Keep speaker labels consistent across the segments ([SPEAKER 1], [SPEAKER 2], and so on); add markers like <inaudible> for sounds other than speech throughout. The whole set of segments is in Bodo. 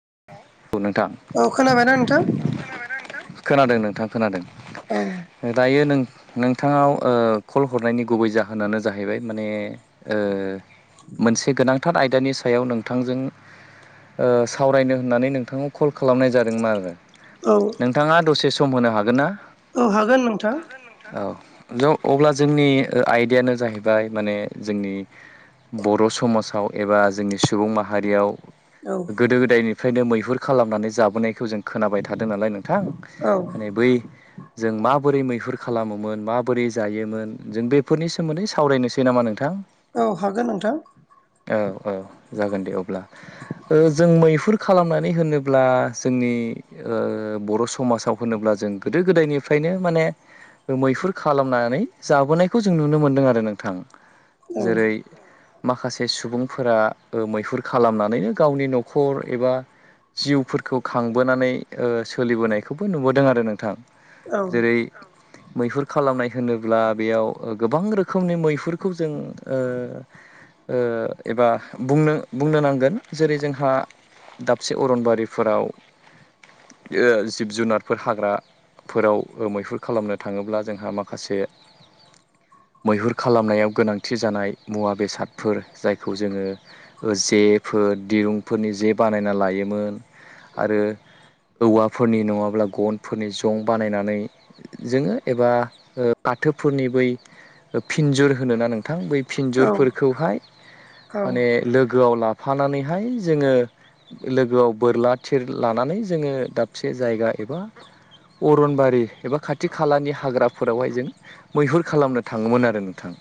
[SPEAKER 1] <inaudible>
[SPEAKER 2] औ खोनाबायना नोंथां?
[SPEAKER 1] खोनादों नोंथां। खोनादों।
[SPEAKER 2] औ
[SPEAKER 1] दायो नों नोंथांनाव कल हरनायनि गुबै जाहोनानो जाहैबाय माने ओ मोनसे गोनांथार आयदानि सायाव नोंथांजों ओ सावरायनो होननानै नोंथांनाव कल खालामनाय जादोंमोन आरो
[SPEAKER 2] औ
[SPEAKER 1] नोंथाङा दसे सम होनो हागोन ना?
[SPEAKER 2] औ हागोन नोंथां।
[SPEAKER 1] औ अब्ला जोंनि आयदायानो जाहैबाय माने जोंनि बर' समाजाव एबा जोंनि सुबुं माहारियाव
[SPEAKER 2] औ
[SPEAKER 1] गोदो गोदायनिफ्रायनो मैहुर खालामनानै जाबोनायखौ जों खोनाबाय थादों नालाय नोंथां।
[SPEAKER 2] औ
[SPEAKER 1] माने बै जों माबोरै मैहुर खालामोमोन माबोरै जायोमोन जों बेफोरनि सोमोन्दै सावरायनोसै नामा नोंथां?
[SPEAKER 2] औ हागोन नोंथां
[SPEAKER 1] औ-औ जागोन दे अब्ला ओ जों मैहुर खालामनानै होनोब्ला जोंनि बर' समाजाव होनोब्ला जों गोदो गोदायनि बेफ्रायनो माने मैहुर खालामनानै जाबोनायखौ जों नुनो मोनदों आरो नोंथां।
[SPEAKER 2] औ
[SPEAKER 1] जेरै माखासे सुबुंफोरा ओ मैहुर खालामनानैनो गावनि न' न'खर एबा जिउफोरखौ खांबोनानै सोलिबोनायखौबो नुबोदों आरो नोंथां।
[SPEAKER 2] औ
[SPEAKER 1] जेरै। मैहुर खालामनाय होनोब्ला बेयाव गोबां रोखोमनि मैहुरखौ जों ओ ओ एबा बुंनो- बुंनो नांगोन जेरै जों जोंहा दाबसे अरनबारिफोराव। ओ जिब जुनारफोर हाग्रा फोराव मैहुर खालामनो थाङोब्ला जोंहा माखासे मैहुर खालामनायाव गोनांथि जानाय मुवा बेसादफोर जायखौ जोङो जेफोर। दिरुंफोरनि जे बानायना लायोमोन। आरो औवाफोरनि नङाब्ला गनफोरनि जं बानायनानै जोङो एबा ओ फाथोफोरनि बै फिनजुर होनो ना नोंथां बै
[SPEAKER 2] औ
[SPEAKER 1] फिन्जुरफोरखौहाय
[SPEAKER 2] औ
[SPEAKER 1] माने लोगोआव लाफानानैहाय जोङो लोगोआव बोरला थिर लानानै जोङो दाबसे जायगा एबा। अरनबारि एबा खाथि खालानि हाग्राफोरावहाय जों मैहुर खालामनो थाङोमोन आरो नोंथां।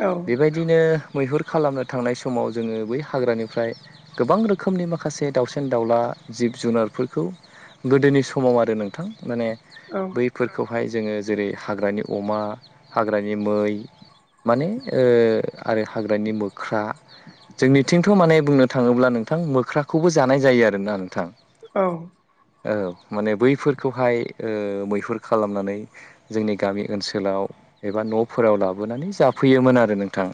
[SPEAKER 2] औ
[SPEAKER 1] बेबायदिनो मैहुर खालामनो थांनाय समाव जोङो बै हाग्रानिफ्राय। गोबां रोखोमनि माखासे दावउसेन -दाउला जिब जुनारफोरखौ गोदोनि समाव आरो नोंथां माने बैफोरखौहाय जोङो। जेरै हाग्रानि अमा हाग्रानि मै। माने ओ आरो हाग्रानि मोख्रा जोंनिथिंथ' माने बुंनो थाङोब्ला नोंथां मोख्राखौबो जानाय जायो आरोना नोंथां।
[SPEAKER 2] औ।
[SPEAKER 1] औ माने बैफोरखौहाय मैहुर खालामनानै जोंनि गामि ओनसोलाव एबा न'फोराव लाबोनानै जाफैयोमोन आरो नोंथां।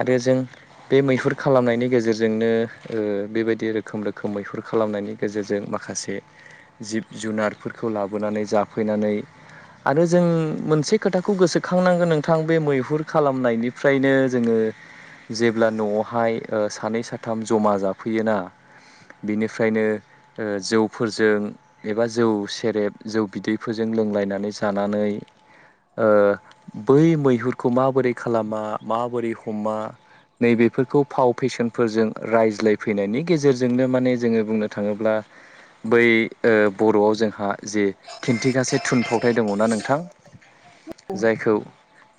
[SPEAKER 1] आरो जों बे मैहुर खालामनायनि गेजेरजों। जोंनो बेबायदि रोखोम रोखोम मैहुर खालामनायनि गेजेरजों माखासे जिब जुनारफोरखौ लाबोनानै जाफैनानै। आरो जों मोनसे खोथाखौ गोसोखांनांगोन नोंथां बे मैहुर खालामनायनिफ्रायनो जोङो जेब्ला न'आवहाय ओ सानै साथाम जमा जाफैयोना बिनिफ्रायनो जौफोरजों एबा जौ सेरेब जौ बिदैफोरजों लोंलायनानै जानानै। ओ बै मैहुरखौ माबोरै खालामा माबोरै हमा नैबेफोरखौ फाव फेसन। फोरजों रायज्लायफैनायनि गेजेरजोंनो माने जोङो बुंनो थाङोब्ला बै ओ बर'आव जोंहा जे खिन्थिगासे थुनफावथाय दङना नोंथां। जायखौ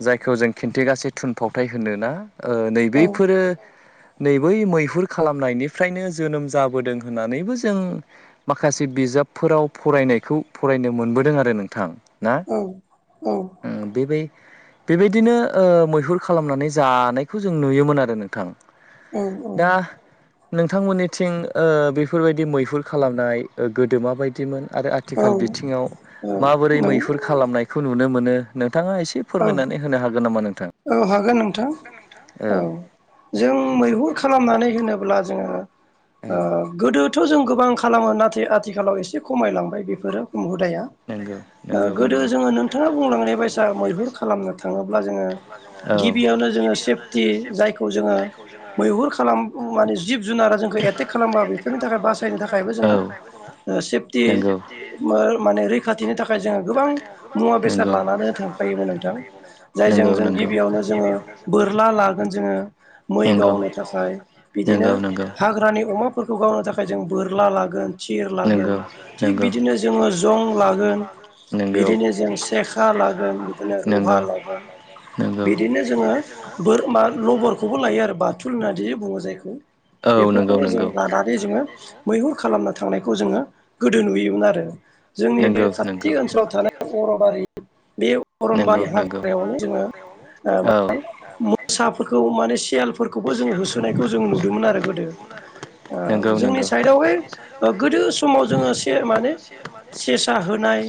[SPEAKER 1] -जायखौ जों खिन्थिगाससे थुनफावथाय होनो ना ओ नैबेफोरो नै बै मैहुर खालामनायनिफ्रायनो जोनोम जाबोदों होननानैबो जों माखासे बिजा बफोराव फरायनायखौ फरायनो मोनबोदों आरो नोंथां। ना
[SPEAKER 2] औऔ
[SPEAKER 1] उम बेबाय बेबायदिनो ओ मैहुर खालामनानै जानायखौ जों नुयोमोन आरो नोंथां।
[SPEAKER 2] औ औ।
[SPEAKER 1] दा नोंथांमोननिथिं बेफोरबायदि मैहुर खालामनाय गोदोम बायदिमोन? आरो
[SPEAKER 2] औ
[SPEAKER 1] आथिखाल बिथिङाव माबोरै
[SPEAKER 2] नों
[SPEAKER 1] मैहुर खालामनायखौ नुनो मोनो नों नोंथाङा एसे
[SPEAKER 2] औ
[SPEAKER 1] फोरमायनानै होनो हागोन नामा नोंथां
[SPEAKER 2] औ हागोन नोंथां
[SPEAKER 1] औ।
[SPEAKER 2] जों मैहुर खालामनानै होनोब्ला जोङो
[SPEAKER 1] औ
[SPEAKER 2] ओ गोदोथ' जों गोबां खालामो नाथाय आथिखालाव एसे खमायलांबाय बेफोरो। हुदाया
[SPEAKER 1] नंगौ नंगौ
[SPEAKER 2] गोदो
[SPEAKER 1] नंगौ
[SPEAKER 2] जोङो नोंथाङा बुंलांनाय बायसा मैहुर खालामनो थाङोब्ला जोङो गिबियावनो जोङो सेफटि जायखौ जोङो मैहुर खालाम माने जिब जुनारा जोंखौ एटेक खालामबा बेफोरनि थाखाय बासायनो थाखायबो
[SPEAKER 1] औ
[SPEAKER 2] जोङो सेफटि
[SPEAKER 1] नंगौ
[SPEAKER 2] माने रैखा थाखाय जोङो गोबां मुवा बेसाद लानानै थां खायोमोन नोंथां जायजों जों गिबियावनो जोङो बोरला लागोन जोङो मै
[SPEAKER 1] मैगावनो
[SPEAKER 2] गावनो थाखाय बिदिनो हाग्रानि अमाफोरखौ गावनो थाखाय जों बोरला लागोन थिर लागोन
[SPEAKER 1] नोंगौ
[SPEAKER 2] थिग
[SPEAKER 1] नोंगौ नोंगौ
[SPEAKER 2] बिदिनो जोङो जं लागोन
[SPEAKER 1] नोंगौ
[SPEAKER 2] बिदिनो जों सेखा लागोन बिदिनो लहा
[SPEAKER 1] नोंगौ
[SPEAKER 2] लागोन
[SPEAKER 1] नोंगौ
[SPEAKER 2] बिदिनो जोङो बोर मा लबरखौबो लायो आरो बाथुल होनना बुङो जायखौ
[SPEAKER 1] औ नोंगौ
[SPEAKER 2] बेफोरखौबो जों
[SPEAKER 1] नोंगौ
[SPEAKER 2] लानानै जोङो मैहुर खालामनो थांनायखौ जोङो गोदो नुयोमोन आरो जोंनि बे
[SPEAKER 1] जोङो
[SPEAKER 2] खाथि
[SPEAKER 1] नोंगौ नोंगौ
[SPEAKER 2] ओनसोलाव थानाय बरबारि बे अरनबारि
[SPEAKER 1] थानाय नोंगौ नोंगौ
[SPEAKER 2] हाग्रायावनो जोङो
[SPEAKER 1] औ
[SPEAKER 2] ओ मोसाफोरखौ माने सियाल फोरखौबो जोङो होसोनायखौ जों नुदोंमोन आरो गोदो
[SPEAKER 1] नोंगौ
[SPEAKER 2] ओ जोंनि
[SPEAKER 1] नोंगौ
[SPEAKER 2] साइडआवहाय ओ गोदो समाव जोङो से माने सेसा होनाय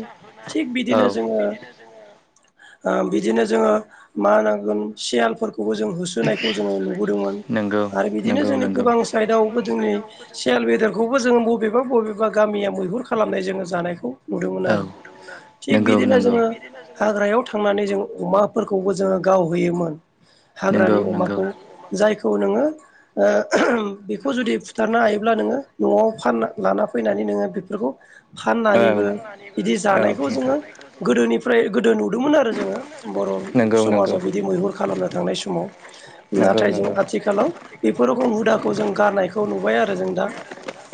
[SPEAKER 2] थिग
[SPEAKER 1] औ
[SPEAKER 2] बिदिनो जोङो
[SPEAKER 1] <inaudible>
[SPEAKER 2] ओ बिदिनो जोङो मा होनांगोन सियालफोरखौ होसोनायखौ जोङो नुबोदोंमोन
[SPEAKER 1] होनायखौ जोङो
[SPEAKER 2] आरो
[SPEAKER 1] नुनो मोनोमोन
[SPEAKER 2] बिदिनो जोंनि
[SPEAKER 1] आरो
[SPEAKER 2] गोबां साइदआवबो जोंनि सियाल बेदरखौबो जोङो बबेबा बबेबा गामिया मैहुर खालामनाय जोङो जानायखौ नुदोंमोन
[SPEAKER 1] औ
[SPEAKER 2] आरो थिग
[SPEAKER 1] नोंगौ
[SPEAKER 2] बिदिनो
[SPEAKER 1] नोंगौ नोंगौ
[SPEAKER 2] जोङो हाग्रायाव थांनानै जों अमाफोरखौबो जोङो गावहैयोमोन हाग्रानि
[SPEAKER 1] नोंगौ
[SPEAKER 2] अमाखौ जायखौ नोङो ओ बेखौ जुदि फुथारनो हायोब्ला नोङो न'वाव फानना लाना फैनानै नोङो बेफोरखौ फाननानैबो बिदि जानायखौ जोङो गोदोनिफ्राय गोदो नुदोंमोन आरो जोङो बर'
[SPEAKER 1] जोङो नुनो मोनो
[SPEAKER 2] समाजाव बिदि मैहुर खालामनो थांनाय समाव
[SPEAKER 1] फारसेथिं माने
[SPEAKER 2] नाथाय जों आथिखालाव बे बेफोर रोखोम हुदाखौ जों गारनायखौ नुबाय आरो जों दा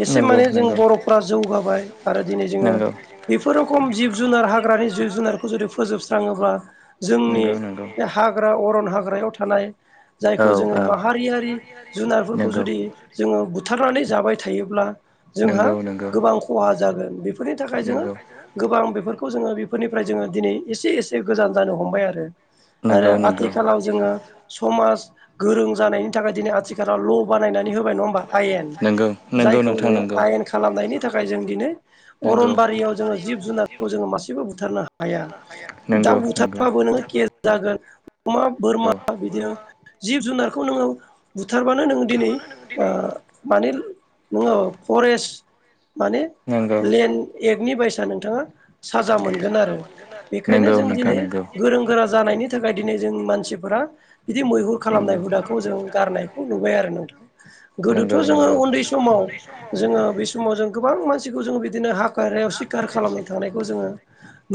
[SPEAKER 2] एसे माने जों बर'फ्रा जौगाबाय आरो दिनै जोङो बेफोर रोखम जिब जुनार हाग्रानि जिब जुनारखौ जुदि फोजोबस्राङोब्ला जोंनि
[SPEAKER 1] जोंनि
[SPEAKER 2] बे हाग्रा अरन हाग्रा हाग्रायाव थानाय जायखौ जोङो माहारियारि जुनारफोरखौ जुदि जोङो बुथारनानै जाबाय थायोब्ला जोंहा
[SPEAKER 1] नंगौ नंगौ
[SPEAKER 2] गोबां खहा जागोन बेफोरनि थाखाय जोङो
[SPEAKER 1] नंगौ
[SPEAKER 2] गोबां बेफोरखौ जोङो बेफोरनिफ्राय जोङो दिनै एसे एसे गोजान जानो हमबाय आरो आरो
[SPEAKER 1] नंगौ नंगौ
[SPEAKER 2] आथिखालाव जोङो समाज गोरों जानायनि थाखाय दिनै आथिखालाव ल' बानायनानै होबाय नङा होमबा आयेन
[SPEAKER 1] नंगौ नंगौ
[SPEAKER 2] जायखौ
[SPEAKER 1] नोंथां
[SPEAKER 2] नोङो
[SPEAKER 1] नंगौ
[SPEAKER 2] आयेन खालामनायनि थाखाय जों दिनै
[SPEAKER 1] नंगौ
[SPEAKER 2] अरनबारियाव जोङो जिब जुनारखौ जोङो मासे बुथारनो हाला हाया दा
[SPEAKER 1] नंगौ नंगौ
[SPEAKER 2] बुथारबाबो नों केस जागोन अमा बोरमा
[SPEAKER 1] नंगौ
[SPEAKER 2] बिदि जिब जुनार जुनारखौ नोङो बुथारबानो नोंङो दिनै ओ माने नोङो फरेस्ट माने
[SPEAKER 1] नंगौ
[SPEAKER 2] लेन्ड एक्टनि बायसा नोंथाङा साजा मोनगोन आरो बेखायनो
[SPEAKER 1] नंगौ
[SPEAKER 2] जों
[SPEAKER 1] नोंथां
[SPEAKER 2] दिनै
[SPEAKER 1] नंगौ
[SPEAKER 2] गोरों गोरा जानायनि थाखाय दिनै जों मानसिफोरा बिदि मैहुर खालामनाय
[SPEAKER 1] नंगौ
[SPEAKER 2] हुदाखौ जों गारनायखौ नुबाय आरो नोंथां गोदोथ'
[SPEAKER 1] नंगौ
[SPEAKER 2] जोङो
[SPEAKER 1] नंगौ
[SPEAKER 2] उन्दै समाव जोङो बे समाव जों गोबां मानसि जों बिदिनो हाखायाव सिखार खालामनो थांनायखौ जोङो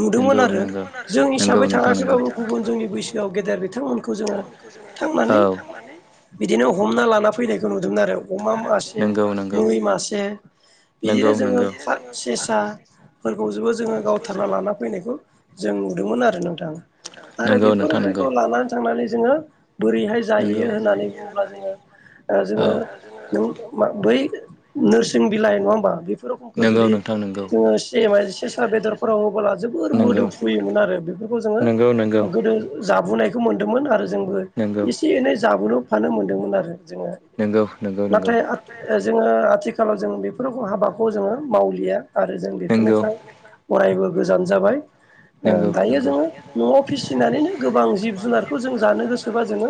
[SPEAKER 2] नुदोंमोन
[SPEAKER 1] नंगौ
[SPEAKER 2] आरो
[SPEAKER 1] नंगौ
[SPEAKER 2] जों
[SPEAKER 1] नंगौ
[SPEAKER 2] हिसाबै
[SPEAKER 1] नोंथां नंगौ
[SPEAKER 2] थाङाखैबाबो गुबुन जोंनि बैसोआव गेदेर बिथांमोनखौ जोङो थांनानै
[SPEAKER 1] औ
[SPEAKER 2] बिदिनो हमना लाना फैनायखौ नुदोंमोन आरो अमा मासे
[SPEAKER 1] नंगौ नंगौ
[SPEAKER 2] मै मासे
[SPEAKER 1] नंगौ
[SPEAKER 2] बिदिनो जोङो
[SPEAKER 1] नंगौ
[SPEAKER 2] <inaudible> सेसाफोरखौ जबो जोङो गावथारना लाना फैनायखौ जों नुदोंमोन आरो नोंथां आरो
[SPEAKER 1] नंगौ
[SPEAKER 2] बेफोर
[SPEAKER 1] नोंथां नंगौ
[SPEAKER 2] रोखोमखौ लानानै थांनानै जोङो बोरैहाय
[SPEAKER 1] नंगौ
[SPEAKER 2] जाहैयो होननानै बुङोब्ला
[SPEAKER 1] औ
[SPEAKER 2] जोङो जोङो बै नोरसिं बिलाइ नङा होमबा बे खुरुखुमखौ
[SPEAKER 1] नंगौ
[SPEAKER 2] जुदि
[SPEAKER 1] नोंथां नंगौ
[SPEAKER 2] जोङो से-सेस्रा बेदरफोराव होबोला बोर
[SPEAKER 1] नंगौ
[SPEAKER 2] मोदोमफ्रुयोमोन आरो बेफोरखौ जोङो
[SPEAKER 1] नंगौ नंगौ
[SPEAKER 2] गोदो जाबोनायखौ मोन्दोंमोन आरो जोंबो एसे एनै जाबोनोफानो मोन्दोंमोन आरो जोंङो
[SPEAKER 1] नंगौ नंगौ
[SPEAKER 2] नाथाय जोङो आथिखा थिखालाव जों बेफोरखौ हाबाखौ जोङो मावलिया आरो जों
[SPEAKER 1] नंगौ
[SPEAKER 2] बेफोरनिफ्राय अरायबो गोजान जाबाय ओ
[SPEAKER 1] नंगौ नंगौ
[SPEAKER 2] दायो जोङो न'आव फिसिनानैनो गोबां जिब जुनारखौ जों जानो गोसोबा जोङो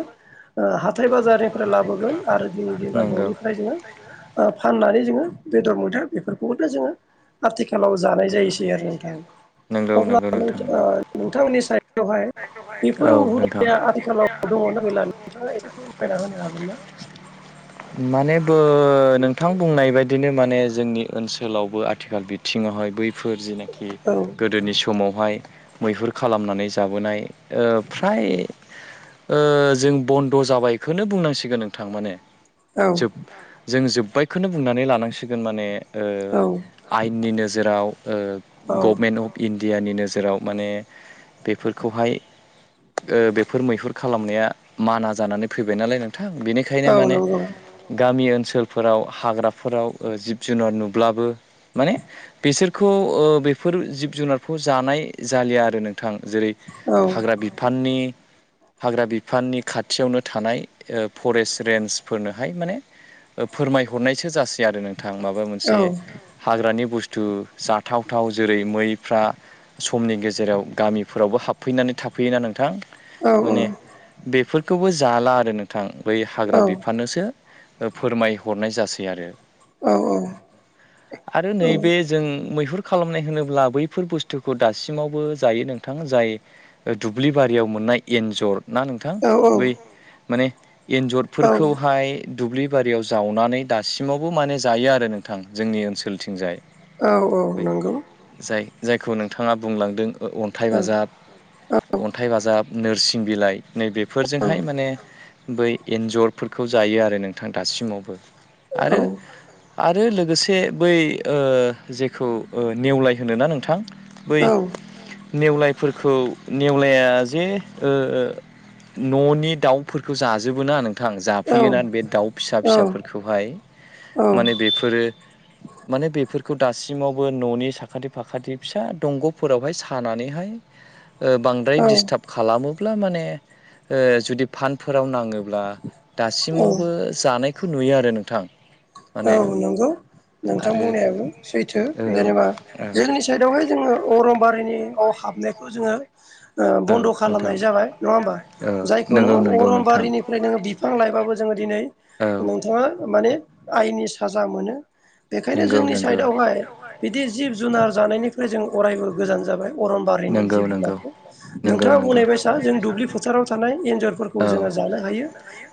[SPEAKER 2] ओ हाथाय बाजारनिफ्राय लाबोगोन आरो दिन दिन बा
[SPEAKER 1] नंगौ
[SPEAKER 2] न'निफ्राय जोङो फाननानै जोङो बेदर <inaudible> बेफोरखौबोथ' जोङो आथिखालाव जानाय जायोसै आरो नोंथां।
[SPEAKER 1] नंगौ
[SPEAKER 2] अब्ला
[SPEAKER 1] नंगौ नोंथां नंगौ
[SPEAKER 2] नोंथांमोननि सायावायावहाय बेफोर
[SPEAKER 1] औ नोंथां
[SPEAKER 2] हुदाया आथिखालाव दङना गैला नोंथाङा एसे फोरमायना होनो हागोन ना?
[SPEAKER 1] माने बो ओ नोंथां बुंनाय बायदिनो माने जोंनि ओनसोलावबो आथिखाल बिथिङावहाय फोर जेनाखि
[SPEAKER 2] औ
[SPEAKER 1] गोदोनि समावहाय मैहुर खालामनानै जाबोनाय ओ फ्राय ओ जों बन्द' जाबायखौनो बुंनांसिगोन नोंथां माने
[SPEAKER 2] औ
[SPEAKER 1] जोब जों जोब्बायखौनो बुंनानै लानांसिगोन माने ओ
[SPEAKER 2] औ
[SPEAKER 1] आयेननि नोजोराव ओ
[SPEAKER 2] औ
[SPEAKER 1] गभमेन्ट अफ इण् डियानि नोजोराव माने बेफोरखौहाय ओ बेफोर मैहुर खालामनाया माना जानानै फैबाय नालाय नों थां बेनिखायनो
[SPEAKER 2] औ
[SPEAKER 1] माने
[SPEAKER 2] नंगौ
[SPEAKER 1] गामि ओनसो सोलफोराव हाग्राफोराव ओ जिब जुनार नुब्लाबो माने बिसोर खौ ओ बेफोर जिब जुनारखौ जानाय जालिया आरो नों गोथां जेरै
[SPEAKER 2] औ
[SPEAKER 1] हाग्रा बिफाननि हाग्रा बिफाननि खाथियावनो थानाय फरेस्ट रेन्जफोरनोहाय माने फोरमायहरनायसो जासै आरो नोंथां माबा
[SPEAKER 2] औ
[SPEAKER 1] मोनसे हाग्रानि बुस्थु जाथावथाव जेरै मैफ्रा समनि गेजेराव गामिफोरावबो हाबफैनानै थाफैयोना नोंथां
[SPEAKER 2] औ
[SPEAKER 1] माने बेफोरखौबो जाला आरो नोंथां बै हाग्रा
[SPEAKER 2] औ
[SPEAKER 1] बिफाननोसो फोरमायहरनाय जासै आरो आरो नैबे जों मैहुर खालामनाय होनोब्ला बैफोर बुस्थुखौ दासिमावबो जायो नोंथां जाय दुब्लि बारि एयाव मोननाय एन्जर ना नोंथां
[SPEAKER 2] औ
[SPEAKER 1] बै
[SPEAKER 2] औ
[SPEAKER 1] माने
[SPEAKER 2] औ
[SPEAKER 1] एन्जरफोरखौहाय दुब्लि बारियाव जावनानै दासिमावबो माने जायो आरो नोंथां जोंनि ओनसोलथिंजाय।
[SPEAKER 2] औ औ
[SPEAKER 1] बै
[SPEAKER 2] नंगौ।
[SPEAKER 1] जाय जायखौ नोंथाङा बुंलांदों अन्थाइ
[SPEAKER 2] औ
[SPEAKER 1] बाजाब अन्थाइ बाजाब नोरसिं बिलाइ
[SPEAKER 2] औ
[SPEAKER 1] नैबेफोरजोंहाय माने बै एन्जरफोरखौ जायो आरो नोंथां दासिमावबो
[SPEAKER 2] औ
[SPEAKER 1] आरो आरो लोगोसे बै ओ जे खौ नेवलाय होनो ना नोंथां बै
[SPEAKER 2] औ
[SPEAKER 1] नेवलायफोरखौ नेवलाया जे ओ न'नि दाउफोरखौ जाजोबोना नोंथां जाफैयोना बे
[SPEAKER 2] औ
[SPEAKER 1] दाउ फिसा फिसाफोरखौहाय माने
[SPEAKER 2] औ
[SPEAKER 1] बेफोरो माने बेफोरखौ दासिम सिमावबो न'नि साखाथि फाखाथि फिसा दंग'फोरावहाय सानानैहाय बांद्राय डिस्टार्ब खालामोब्ला माने जुदि फानफोराव नाङोब्ला
[SPEAKER 2] औ
[SPEAKER 1] दासिमावबो जानायखौ नुयो आरो नोंथां। माने
[SPEAKER 2] नांगौ नोंथां
[SPEAKER 1] आरो
[SPEAKER 2] बुंनायाबो सैथो।
[SPEAKER 1] औ
[SPEAKER 2] जेनेबा
[SPEAKER 1] औ
[SPEAKER 2] जोंनि साइडआवहाय जोङो अरनबारिनियाव हाबनायखौ जोङो
[SPEAKER 1] औ
[SPEAKER 2] बन्द'
[SPEAKER 1] नोंथां
[SPEAKER 2] खालामनाय जाबाय नङा होमबा
[SPEAKER 1] औ
[SPEAKER 2] जायखौ
[SPEAKER 1] नंगौ
[SPEAKER 2] नोङो
[SPEAKER 1] नंगौ नोंथां
[SPEAKER 2] अरनबारिनिफ्राय नोङो बिफां लायबाबो जोङो दिनै
[SPEAKER 1] औ
[SPEAKER 2] नोंथाङा माने आइनि साजा मोनो बेखायनो
[SPEAKER 1] नंगौ
[SPEAKER 2] जोंनि
[SPEAKER 1] नंगौ
[SPEAKER 2] साइडआवहाय बिदि जिब जुनार जानायनिफ्राय जों अरायबो गोजान जाबाय अरनबारिनि
[SPEAKER 1] नंगौ
[SPEAKER 2] जिब
[SPEAKER 1] नंगौ
[SPEAKER 2] जुनारखौ
[SPEAKER 1] नंगौ
[SPEAKER 2] नोंथाङा
[SPEAKER 1] नंगौ
[SPEAKER 2] बुंनायबाय स जों दुब्लि फोथाराव थानाय एन्जरफोरखौ
[SPEAKER 1] औ
[SPEAKER 2] जोङो जानो हायो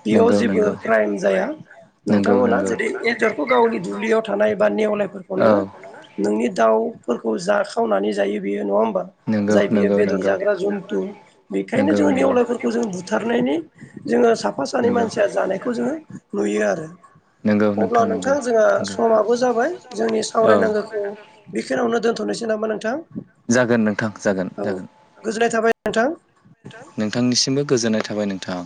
[SPEAKER 2] बेयाव
[SPEAKER 1] नंगौ
[SPEAKER 2] जेबो
[SPEAKER 1] नंगौ
[SPEAKER 2] क्राइम जाया
[SPEAKER 1] नंगौ
[SPEAKER 2] नोंथांमोना
[SPEAKER 1] नंगौ
[SPEAKER 2] जुदि एरखौ गावनि दुब्लियाव थानाय एबा नेवलायफोरखौ नोङो
[SPEAKER 1] औ
[SPEAKER 2] नोंनि फोरखौ जा खावनानै जायो बेयो नङा होम बा
[SPEAKER 1] नंगौ
[SPEAKER 2] जाय बियो
[SPEAKER 1] नंगौ
[SPEAKER 2] बेदर
[SPEAKER 1] नंगौ
[SPEAKER 2] जाग्रा जन्थु
[SPEAKER 1] जन्थु
[SPEAKER 2] बेखायनो
[SPEAKER 1] नंगौ
[SPEAKER 2] जोङो
[SPEAKER 1] नंगौ
[SPEAKER 2] नेवलायफोरखौ जों बुथारनायनि जोङो साफा सानै
[SPEAKER 1] नंगौ
[SPEAKER 2] मानसिया जानायखौ जोङो नुयो आरो
[SPEAKER 1] नंगौ
[SPEAKER 2] अब्ला
[SPEAKER 1] नोंथां नोंगौ
[SPEAKER 2] नोंथां जोंहा समाबो जाबाय जोंनि
[SPEAKER 1] औ
[SPEAKER 2] सावरायनांगौखौ बेखिनियावनो दोनथ'नोसै नामा नोंथां
[SPEAKER 1] जागोन नोंथां जागोन
[SPEAKER 2] औ
[SPEAKER 1] जागोन
[SPEAKER 2] गोजोननाय थाबाय नोंथां
[SPEAKER 1] नोंथांनिसिमबो गोजोननाय थाबाय नोंथां